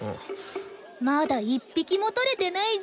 まだ１匹も取れてないじゃん。